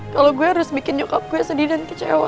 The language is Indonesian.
kalau gue harus bikin nyokap gue sedih dan kecewa